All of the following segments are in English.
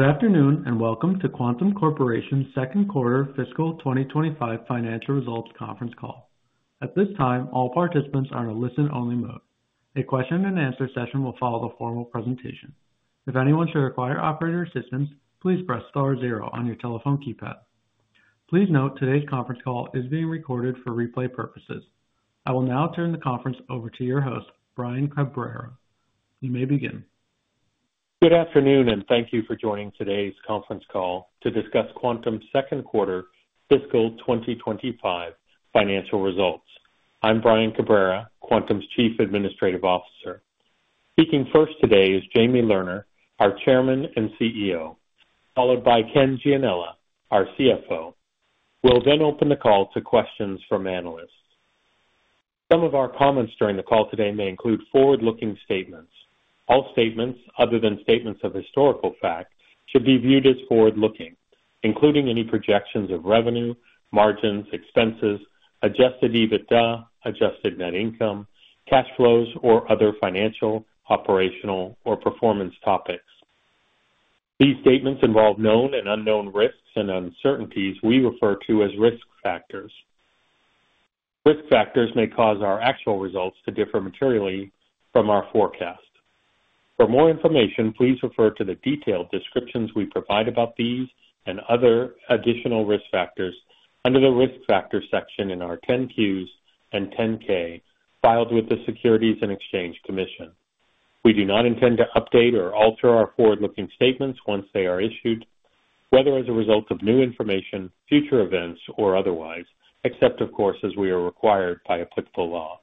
Good afternoon and welcome to Quantum Corporation's Second Quarter Fiscal 2025 Financial Results Conference Call. At this time, all participants are in a listen-only mode. A question-and-answer session will follow the formal presentation. If anyone should require operator assistance, please press star zero on your telephone keypad. Please note today's conference call is being recorded for replay purposes. I will now turn the conference over to your host, Brian Cabrera. You may begin. Good afternoon and thank you for joining today's conference call to discuss Quantum's Second Quarter Fiscal 2025 Financial Results. I'm Brian Cabrera, Quantum's Chief Administrative Officer. Speaking first today is Jamie Lerner, our Chairman and CEO, followed by Ken Gianella, our CFO. We'll then open the call to questions from analysts. Some of our comments during the call today may include forward-looking statements. All statements other than statements of historical fact should be viewed as forward-looking, including any projections of revenue, margins, expenses, adjusted EBITDA, adjusted net income, cash flows, or other financial, operational, or performance topics. These statements involve known and unknown risks and uncertainties we refer to as risk factors. Risk factors may cause our actual results to differ materially from our forecast. For more information, please refer to the detailed descriptions we provide about these and other additional risk factors under the risk factor section in our 10-Qs and 10-K filed with the Securities and Exchange Commission. We do not intend to update or alter our forward-looking statements once they are issued, whether as a result of new information, future events, or otherwise, except, of course, as we are required by applicable law.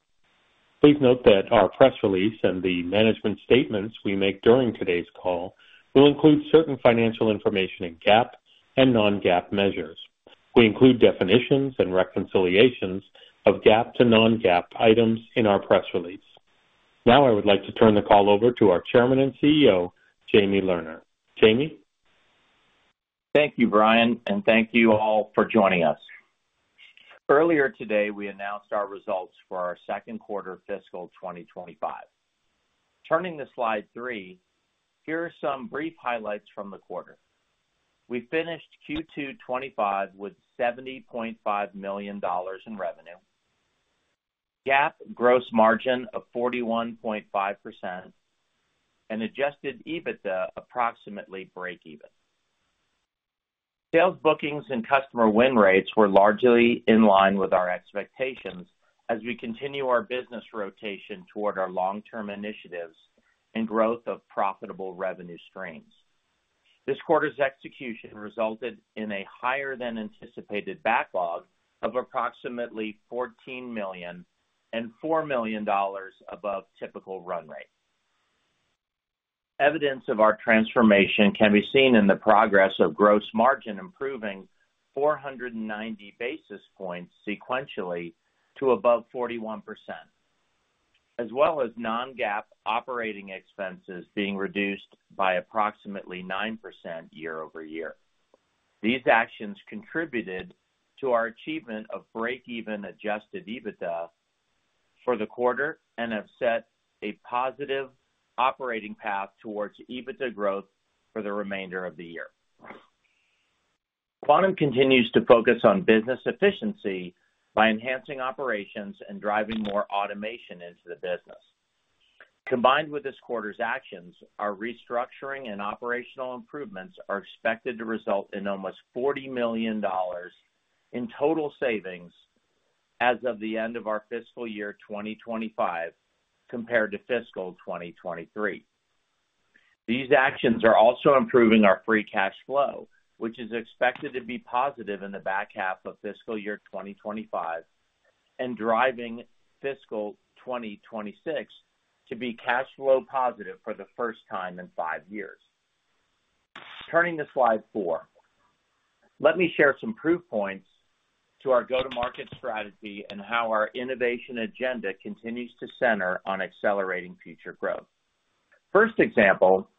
Please note that our press release and the management statements we make during today's call will include certain financial information in GAAP and Non-GAAP measures. We include definitions and reconciliations of GAAP to Non-GAAP items in our press release. Now I would like to turn the call over to our Chairman and CEO, Jamie Lerner. Jamie? Thank you, Brian, and thank you all for joining us. Earlier today, we announced our results for our Second Quarter Fiscal 2025. Turning to slide three, here are some brief highlights from the quarter. We finished Q2 2025 with $70.5 million in revenue, GAAP gross margin of 41.5%, and adjusted EBITDA approximately break-even. Sales bookings and customer win rates were largely in line with our expectations as we continue our business rotation toward our long-term initiatives and growth of profitable revenue streams. This quarter's execution resulted in a higher-than-anticipated backlog of approximately $14 million and $4 million above typical run rate. Evidence of our transformation can be seen in the progress of gross margin improving 490 basis points sequentially to above 41%, as well as Non-GAAP operating expenses being reduced by approximately 9% year over year. These actions contributed to our achievement of break-even Adjusted EBITDA for the quarter and have set a positive operating path towards EBITDA growth for the remainder of the year. Quantum continues to focus on business efficiency by enhancing operations and driving more automation into the business. Combined with this quarter's actions, our restructuring and operational improvements are expected to result in almost $40 million in total savings as of the end of our fiscal year 2025 compared to fiscal 2023. These actions are also improving our free cash flow, which is expected to be positive in the back half of fiscal year 2025 and driving fiscal 2026 to be cash flow positive for the first time in five years. Turning to slide four, let me share some proof points to our go-to-market strategy and how our innovation agenda continues to center on accelerating future growth. first example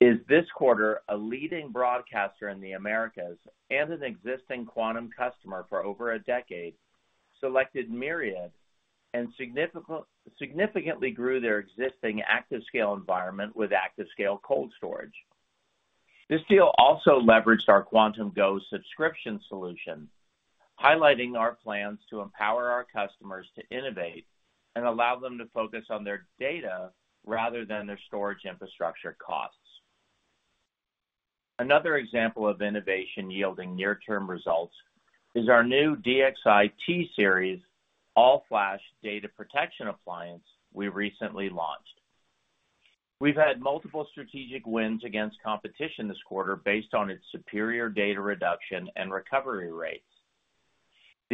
is this quarter, a leading broadcaster in the Americas and an existing Quantum customer for over a decade, selected Myriad and significantly grew their existing ActiveScale environment with ActiveScale Cold Storage. This deal also leveraged our Quantum Go subscription solution, highlighting our plans to empower our customers to innovate and allow them to focus on their data rather than their storage infrastructure costs. Another example of innovation yielding near-term results is our new DXi T-Series all-flash data protection appliance we recently launched. We've had multiple strategic wins against competition this quarter based on its superior data reduction and recovery rates.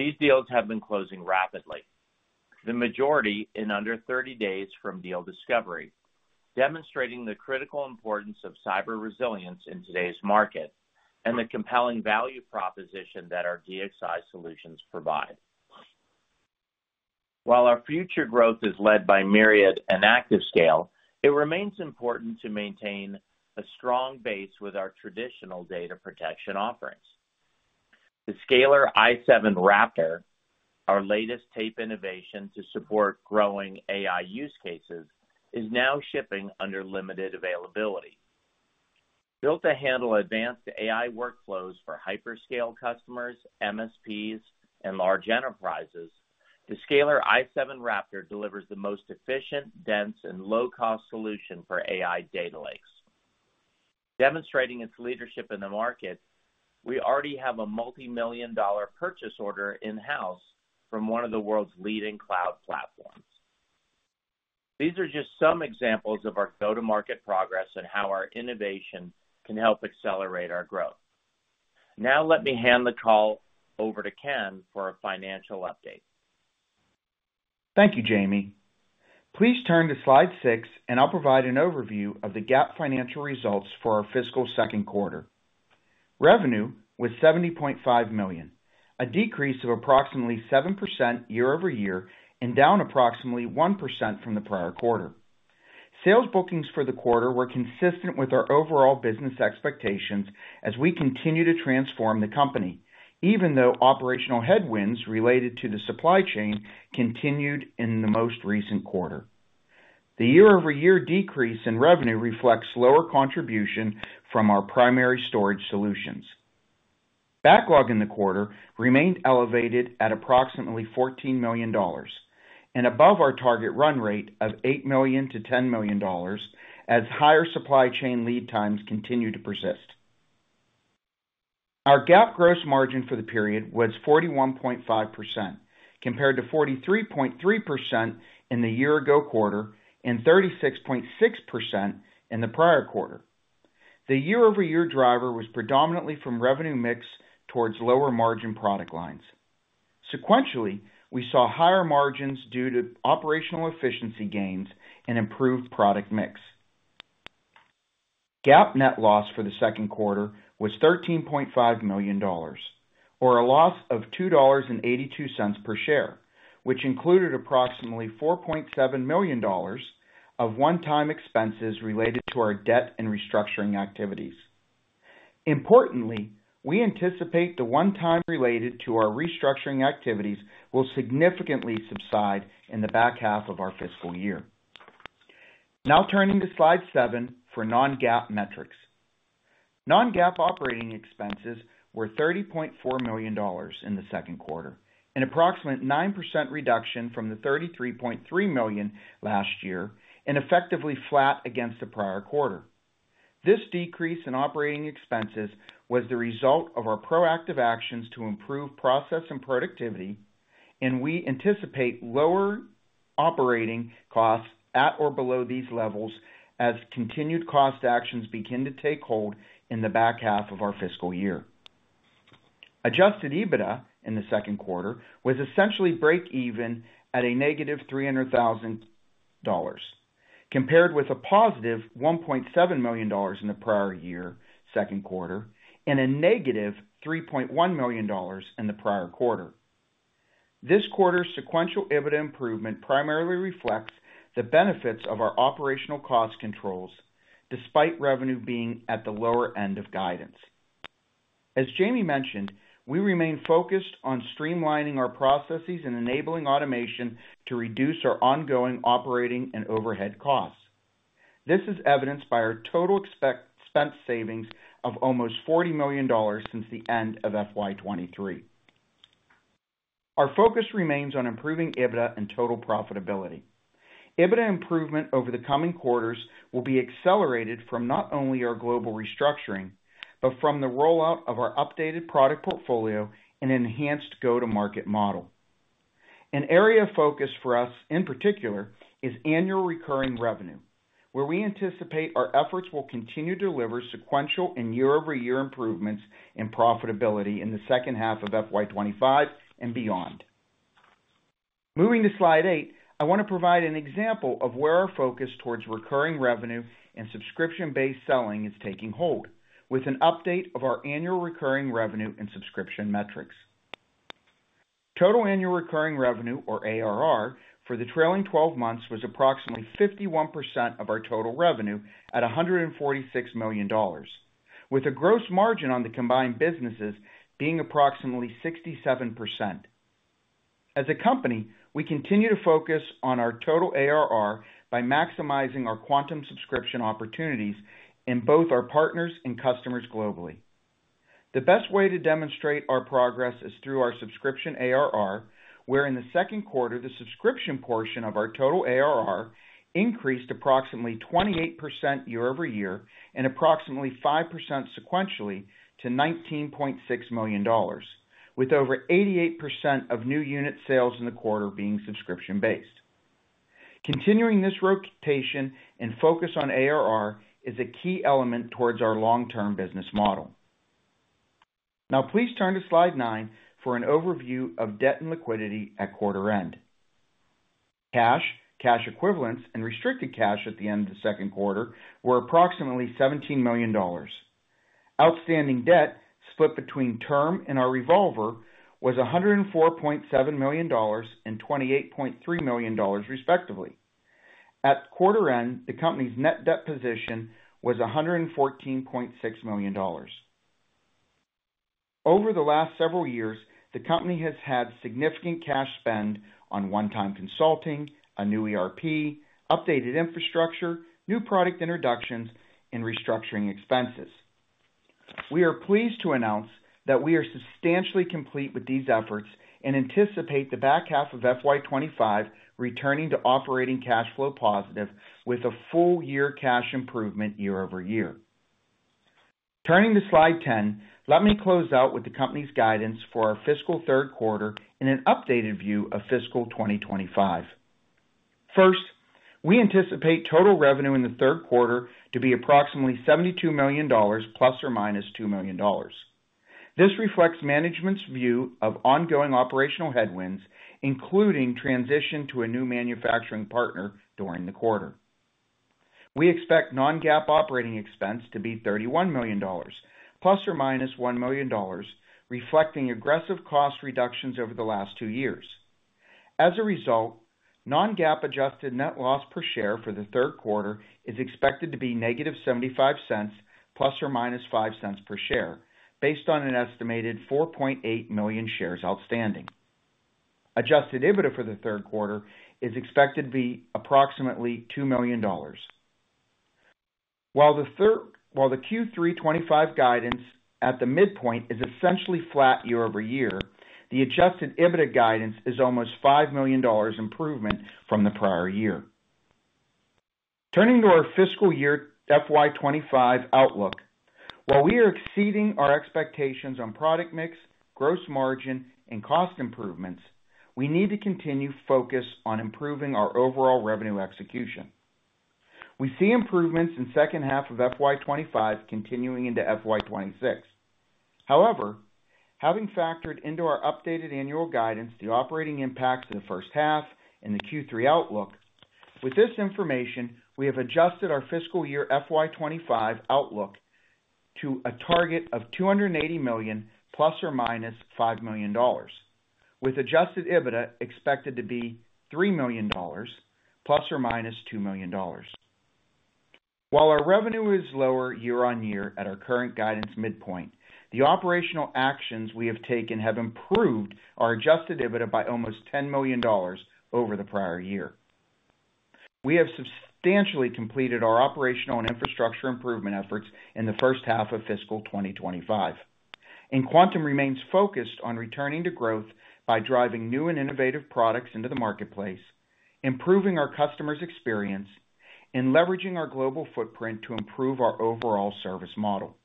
These deals have been closing rapidly, the majority in under 30 days from deal discovery, demonstrating the critical importance of cyber resilience in today's market and the compelling value proposition that our DXi solutions provide. While our future growth is led by Myriad and ActiveScale, it remains important to maintain a strong base with our traditional data protection offerings. The Scalar i7 Raptor, our latest tape innovation to support growing AI use cases, is now shipping under limited availability. Built to handle advanced AI workflows for hyperscale customers, MSPs, and large enterprises, the Scalar i7 Raptor delivers the most efficient, dense, and low-cost solution for AI data lakes. Demonstrating its leadership in the market, we already have a multi-million-dollar purchase order in-house from one of the world's leading cloud platforms. These are just some examples of our go-to-market progress and how our innovation can help accelerate our growth. Now let me hand the call over to Ken for a financial update. Thank you, Jamie. Please turn to slide six, and I'll provide an overview of the GAAP financial results for our fiscal second quarter. Revenue was $70.5 million, a decrease of approximately 7% year over year and down approximately 1% from the prior quarter. Sales bookings for the quarter were consistent with our overall business expectations as we continue to transform the company, even though operational headwinds related to the supply chain continued in the most recent quarter. The year-over-year decrease in revenue reflects lower contribution from our primary storage solutions. Backlog in the quarter remained elevated at approximately $14 million and above our target run rate of $8 million-$10 million as higher supply chain lead times continue to persist. Our GAAP gross margin for the period was 41.5% compared to 43.3% in the year-ago quarter and 36.6% in the prior quarter. The year-over-year driver was predominantly from revenue mix towards lower margin product lines. Sequentially, we saw higher margins due to operational efficiency gains and improved product mix. GAAP net loss for the second quarter was $13.5 million, or a loss of $2.82 per share, which included approximately $4.7 million of one-time expenses related to our debt and restructuring activities. Importantly, we anticipate the one-time related to our restructuring activities will significantly subside in the back half of our fiscal year. Now turning to slide seven for non-GAAP metrics. Non-GAAP operating expenses were $30.4 million in the second quarter, an approximate 9% reduction from the $33.3 million last year and effectively flat against the prior quarter. This decrease in operating expenses was the result of our proactive actions to improve process and productivity, and we anticipate lower operating costs at or below these levels as continued cost actions begin to take hold in the back half of our fiscal year. Adjusted EBITDA in the second quarter was essentially break-even at -$300,000 compared with $1.7 million in the prior year second quarter and -$3.1 million in the prior quarter. This quarter's sequential EBITDA improvement primarily reflects the benefits of our operational cost controls despite revenue being at the lower end of guidance. As Jamie mentioned, we remain focused on streamlining our processes and enabling automation to reduce our ongoing operating and overhead costs. This is evidenced by our total expense savings of almost $40 million since the end of FY 2023. Our focus remains on improving EBITDA and total profitability. EBITDA improvement over the coming quarters will be accelerated from not only our global restructuring but from the rollout of our updated product portfolio and enhanced go-to-market model. An area of focus for us in particular is annual recurring revenue, where we anticipate our efforts will continue to deliver sequential and year-over-year improvements in profitability in the second half of FY 2025 and beyond. Moving to slide eight, I want to provide an example of where our focus towards recurring revenue and subscription-based selling is taking hold with an update of our annual recurring revenue and subscription metrics. Total annual recurring revenue, or ARR, for the trailing 12 months was approximately 51% of our total revenue at $146 million, with a gross margin on the combined businesses being approximately 67%. As a company, we continue to focus on our total ARR by maximizing our Quantum subscription opportunities in both our partners and customers globally. The best way to demonstrate our progress is through our subscription ARR, where in the second quarter, the subscription portion of our total ARR increased approximately 28% year over year and approximately 5% sequentially to $19.6 million, with over 88% of new unit sales in the quarter being subscription-based. Continuing this rotation and focus on ARR is a key element towards our long-term business model. Now, please turn to slide 9 for an overview of debt and liquidity at quarter end. Cash, cash equivalents, and restricted cash at the end of the second quarter were approximately $17 million. Outstanding debt split between term and our revolver was $104.7 million and $28.3 million, respectively. At quarter end, the company's net debt position was $114.6 million. Over the last several years, the company has had significant cash spend on one-time consulting, a new ERP, updated infrastructure, new product introductions, and restructuring expenses. We are pleased to announce that we are substantially complete with these efforts and anticipate the back half of FY25 returning to operating cash flow positive with a full-year cash improvement year over year. Turning to slide 10, let me close out with the company's guidance for our fiscal third quarter in an updated view of fiscal 2025. First, we anticipate total revenue in the third quarter to be approximately $72 million plus or minus $2 million. This reflects management's view of ongoing operational headwinds, including transition to a new manufacturing partner during the quarter. We expect non-GAAP operating expense to be $31 million, plus or minus $1 million, reflecting aggressive cost reductions over the last two years. As a result, Non-GAAP adjusted net loss per share for the third quarter is expected to be -$0.75 ± $0.05 per share based on an estimated 4.8 million shares outstanding. Adjusted EBITDA for the third quarter is expected to be approximately $2 million. While the Q3 FY25 guidance at the midpoint is essentially flat year over year, the adjusted EBITDA guidance is almost $5 million improvement from the prior year. Turning to our fiscal year FY25 outlook, while we are exceeding our expectations on product mix, gross margin, and cost improvements, we need to continue focus on improving our overall revenue execution. We see improvements in second half of FY25 continuing into FY26. However, having factored into our updated annual guidance the operating impacts of the first half and the Q3 outlook, with this information, we have adjusted our fiscal year FY25 outlook to a target of $280 million plus or minus $5 million, with Adjusted EBITDA expected to be $3 million plus or minus $2 million. While our revenue is lower year on year at our current guidance midpoint, the operational actions we have taken have improved our Adjusted EBITDA by almost $10 million over the prior year. We have substantially completed our operational and infrastructure improvement efforts in the first half of fiscal 2025. Quantum remains focused on returning to growth by driving new and innovative products into the marketplace, improving our customers' experience, and leveraging our global footprint to improve our overall service model.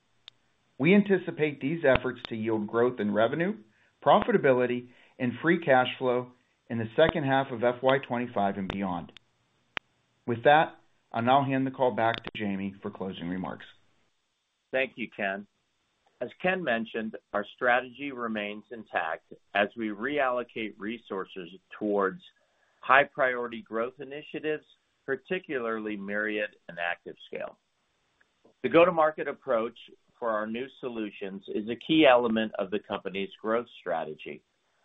We anticipate these efforts to yield growth in revenue, profitability, and free cash flow in the second half of FY25 and beyond. With that, I'll now hand the call back to Jamie for closing remarks. Thank you, Ken. As Ken mentioned, our strategy remains intact as we reallocate resources towards high-priority growth initiatives, particularly Myriad and ActiveScale. The go-to-market approach for our new solutions is a key element of the company's growth strategy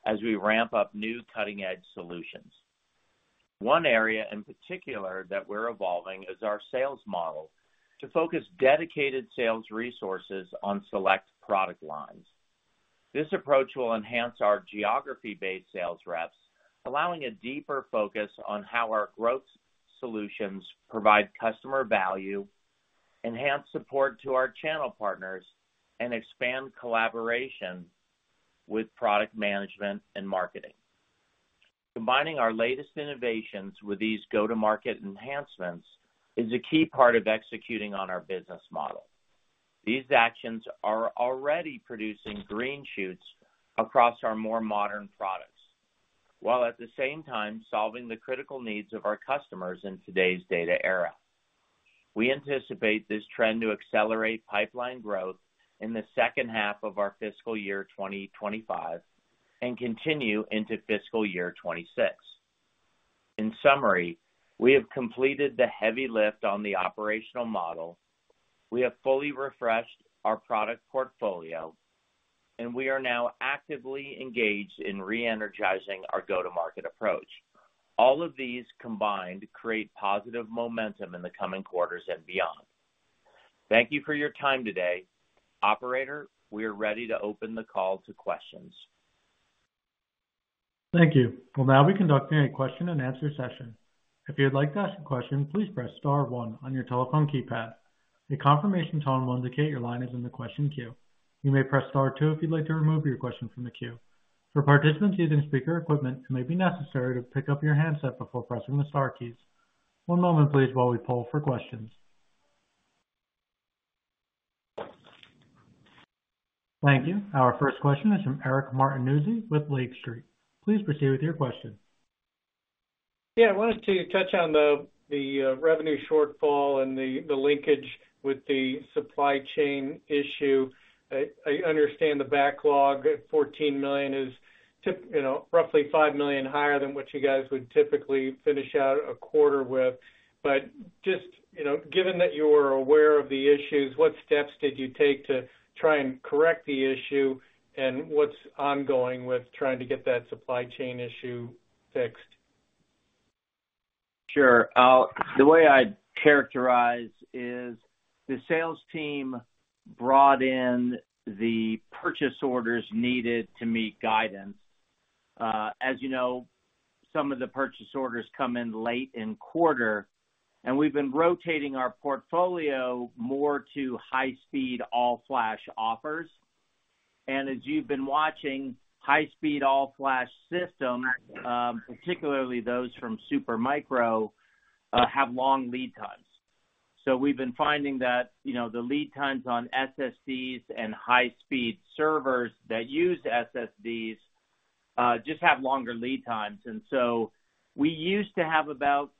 as we ramp up new cutting-edge solutions. One area in particular that we're evolving is our sales model to focus dedicated sales resources on select product lines. This approach will enhance our geography-based sales reps, allowing a deeper focus on how our growth solutions provide customer value, enhance support to our channel partners, and expand collaboration with product management and marketing. Combining our latest innovations with these go-to-market enhancements is a key part of executing on our business model. These actions are already producing green shoots across our more modern products while at the same time solving the critical needs of our customers in today's data era. We anticipate this trend to accelerate pipeline growth in the second half of our fiscal year 2025 and continue into fiscal year 2026. In summary, we have completed the heavy lift on the operational model, we have fully refreshed our product portfolio, and we are now actively engaged in re-energizing our go-to-market approach. All of these combined create positive momentum in the coming quarters and beyond. Thank you for your time today. Operator, we are ready to open the call to questions. Thank you. We'll now be conducting a question and answer session. If you'd like to ask a question, please press star one on your telephone keypad. A confirmation tone will indicate your line is in the question queue. You may press star two if you'd like to remove your question from the queue. For participants using speaker equipment, it may be necessary to pick up your handset before pressing the star keys. One moment, please, while we pull for questions. Thank you. Our first question is from Eric Martinuzzi with Lake Street. Please proceed with your question. Yeah, I wanted to touch on the revenue shortfall and the linkage with the supply chain issue. I understand the backlog at $14 million is roughly $5 million higher than what you guys would typically finish out a quarter with. But just given that you were aware of the issues, what steps did you take to try and correct the issue and what's ongoing with trying to get that supply chain issue fixed? Sure. The way I'd characterize is the sales team brought in the purchase orders needed to meet guidance. As you know, some of the purchase orders come in late in quarter, and we've been rotating our portfolio more to high-speed all-flash offers. And as you've been watching, high-speed all-flash systems, particularly those from Supermicro, have long lead times. So we've been finding that the lead times on SSDs and high-speed servers that use SSDs just have longer lead times. And so we used to have about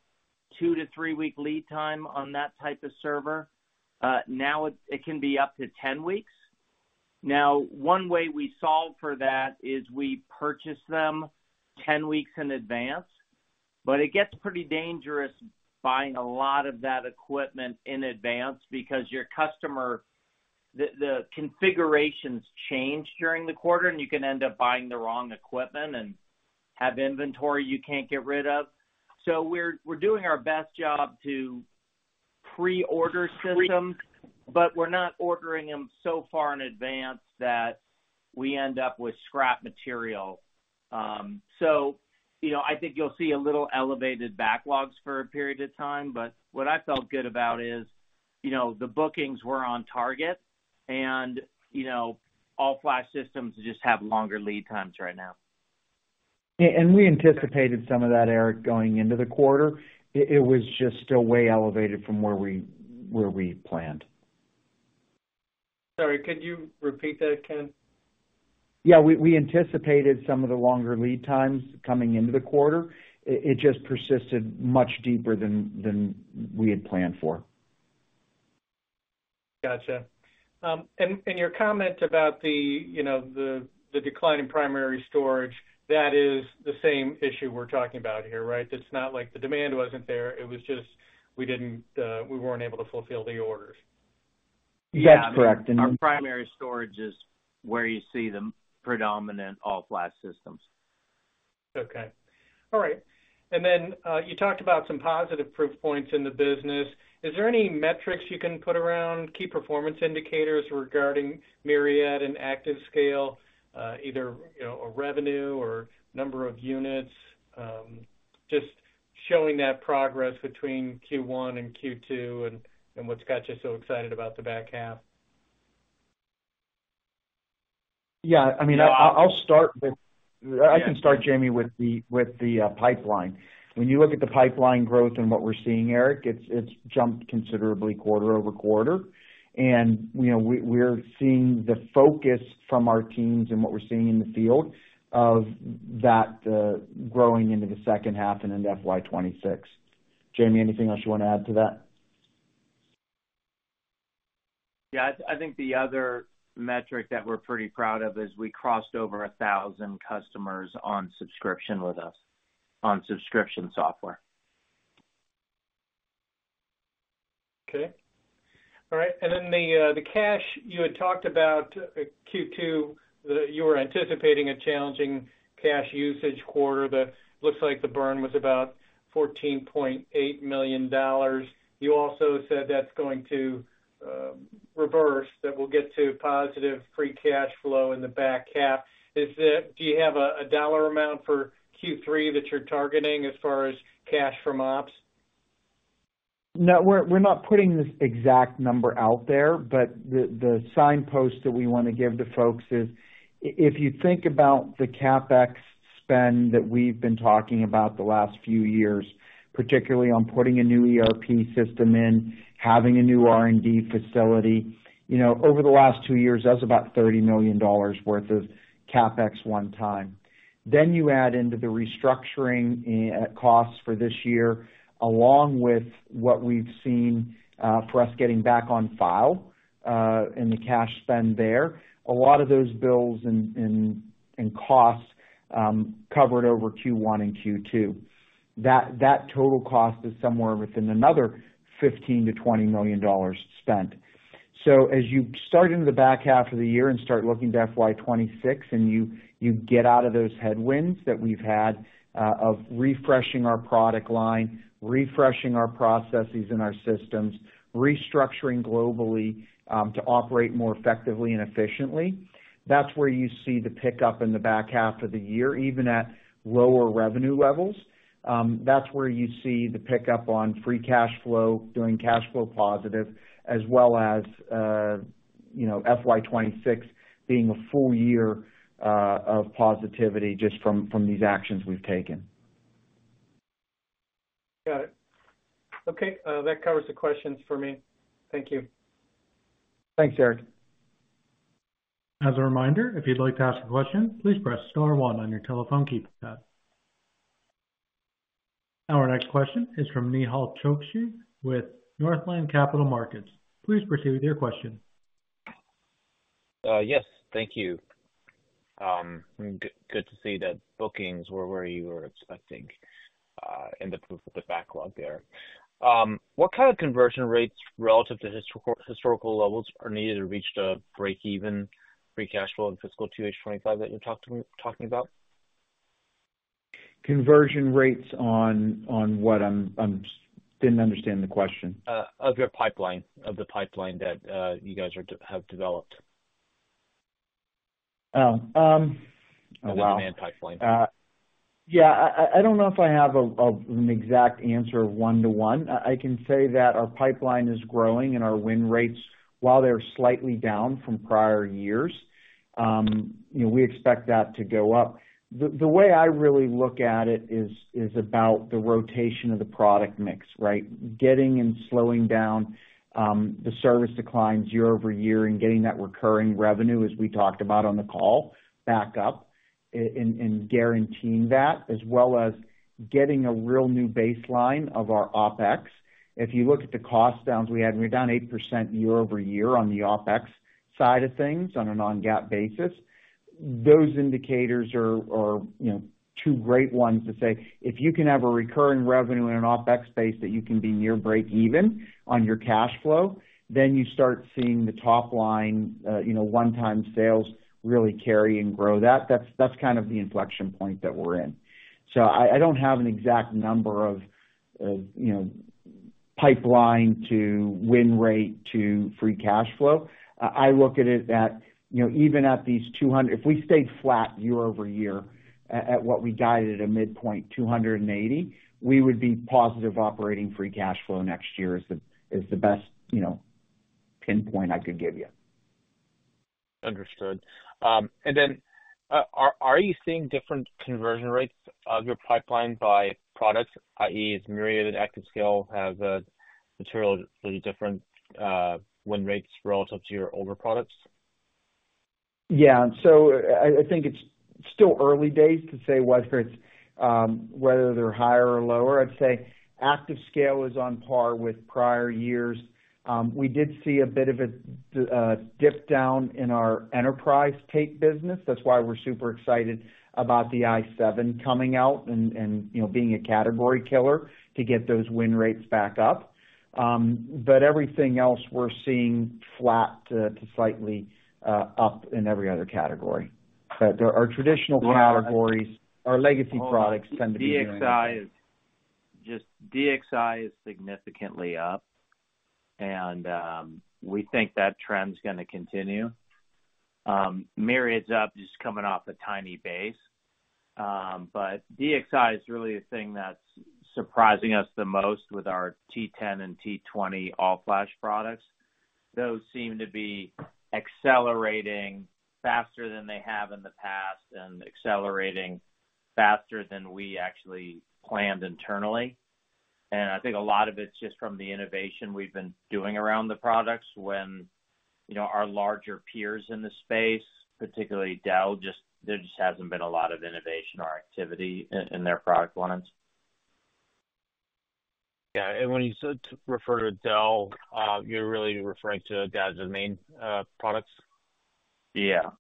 two- to three-week lead time on that type of server. Now it can be up to 10 weeks. Now, one way we solve for that is we purchase them 10 weeks in advance, but it gets pretty dangerous buying a lot of that equipment in advance because your customer, the configurations change during the quarter, and you can end up buying the wrong equipment and have inventory you can't get rid of. So we're doing our best job to pre-order systems, but we're not ordering them so far in advance that we end up with scrap material. So I think you'll see a little elevated backlogs for a period of time, but what I felt good about is the bookings were on target, and all-flash systems just have longer lead times right now. We anticipated some of that, Eric, going into the quarter. It was just still way elevated from where we planned. Sorry, could you repeat that, Ken? Yeah, we anticipated some of the longer lead times coming into the quarter. It just persisted much deeper than we had planned for. Gotcha. Your comment about the decline in primary storage, that is the same issue we're talking about here, right? It's not like the demand wasn't there. It was just we weren't able to fulfill the orders. That's correct. And. Our primary storage is where you see the predominant all-flash systems. Okay. All right. And then you talked about some positive proof points in the business. Is there any metrics you can put around key performance indicators regarding Myriad and ActiveScale, either revenue or number of units, just showing that progress between Q1 and Q2 and what's got you so excited about the back half? Yeah. I mean, I'll start, Jamie, with the pipeline. When you look at the pipeline growth and what we're seeing, Eric, it's jumped considerably quarter over quarter. And we're seeing the focus from our teams and what we're seeing in the field of that growing into the second half and into FY26. Jamie, anything else you want to add to that? Yeah, I think the other metric that we're pretty proud of is we crossed over 1,000 customers on subscription with us, on subscription software. Okay. All right. And then the cash, you had talked about Q2, you were anticipating a challenging cash usage quarter. It looks like the burn was about $14.8 million. You also said that's going to reverse, that we'll get to positive free cash flow in the back half. Do you have a dollar amount for Q3 that you're targeting as far as cash from ops? No, we're not putting this exact number out there, but the signpost that we want to give to folks is if you think about the CapEx spend that we've been talking about the last few years, particularly on putting a new ERP system in, having a new R&D facility. Over the last two years, that's about $30 million worth of CapEx one time. Then you add into the restructuring costs for this year, along with what we've seen for us getting back on file in the cash spend there, a lot of those bills and costs covered over Q1 and Q2. That total cost is somewhere within another $15million-$20 million spent. So, as you start into the back half of the year and start looking to FY 2026 and you get out of those headwinds that we've had of refreshing our product line, refreshing our processes and our systems, restructuring globally to operate more effectively and efficiently, that's where you see the pickup in the back half of the year, even at lower revenue levels. That's where you see the pickup on free cash flow, doing cash flow positive, as well as FY 2026 being a full year of positivity just from these actions we've taken. Got it. Okay. That covers the questions for me. Thank you. Thanks, Eric. As a reminder, if you'd like to ask a question, please press star one on your telephone keypad. Our next question is from Nehal Chokshi with Northland Capital Markets. Please proceed with your question. Yes, thank you. Good to see that bookings were where you were expecting in the backlog there. What kind of conversion rates relative to historical levels are needed to reach the break-even free cash flow in fiscal 2025 that you're talking about? Conversion rates on what? I didn't understand the question. Of your pipeline, of the pipeline that you guys have developed. Oh, wow. Or demand pipeline. Yeah, I don't know if I have an exact answer one-to-one. I can say that our pipeline is growing and our win rates, while they're slightly down from prior years, we expect that to go up. The way I really look at it is about the rotation of the product mix, right? Getting and slowing down the service declines year over year and getting that recurring revenue, as we talked about on the call, back up and guaranteeing that, as well as getting a real new baseline of our OpEx. If you look at the cost downs we had, we were down 8% year over year on the OpEx side of things on a non-GAAP basis. Those indicators are two great ones to say. If you can have a recurring revenue in an OpEx space that you can be near break-even on your cash flow, then you start seeing the top line one-time sales really carry and grow that. That's kind of the inflection point that we're in. So, I don't have an exact number of pipeline to win rate to free cash flow. I look at it that even at these 200, if we stayed flat year over year at what we guided at a midpoint, 280, we would be positive operating free cash flow next year, is the best pinpoint I could give you. Understood. And then are you seeing different conversion rates of your pipeline by product, i.e., is Myriad and ActiveScale have materially different win rates relative to your older products? Yeah, so I think it's still early days to say whether they're higher or lower. I'd say ActiveScale is on par with prior years. We did see a bit of a dip down in our enterprise tape business. That's why we're super excited about the i7 coming out and being a category killer to get those win rates back up. But everything else we're seeing flat to slightly up in every other category, but our traditional categories, our legacy products tend to be doing better. DXi is significantly up, and we think that trend's going to continue. Myriad's up, just coming off a tiny base. But DXi is really the thing that's surprising us the most with our T10 and T20 all-flash products. Those seem to be accelerating faster than they have in the past and accelerating faster than we actually planned internally. And I think a lot of it's just from the innovation we've been doing around the products when our larger peers in the space, particularly Dell, there just hasn't been a lot of innovation or activity in their product lines. Yeah. And when you refer to Dell, you're really referring to their main products? Yeah.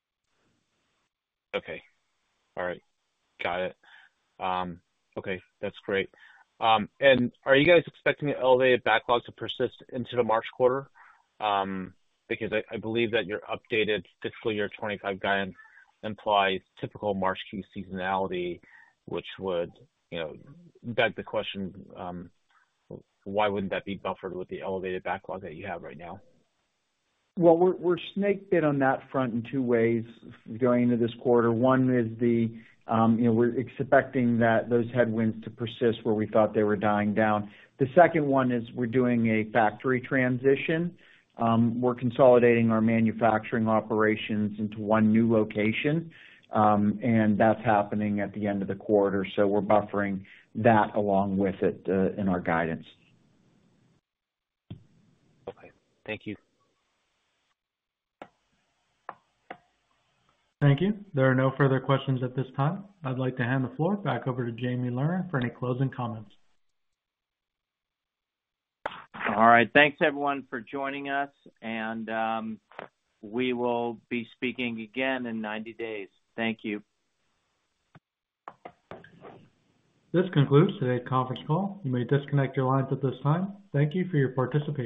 Okay. All right. Got it. That's great, and are you guys expecting an elevated backlog to persist into the March quarter? Because I believe that your updated fiscal year 2025 guidance implies typical March quarter seasonality, which would beg the question, why wouldn't that be buffered with the elevated backlog that you have right now? We're snakebit on that front in two ways going into this quarter. One is we're expecting those headwinds to persist where we thought they were dying down. The second one is we're doing a factory transition. We're consolidating our manufacturing operations into one new location, and that's happening at the end of the quarter, so we're buffering that along with it in our guidance. Okay. Thank you. Thank you. There are no further questions at this time. I'd like to hand the floor back over to Jamie Lerner for any closing comments. All right. Thanks, everyone, for joining us. And we will be speaking again in 90 days. Thank you. This concludes today's conference call. You may disconnect your lines at this time. Thank you for your participation.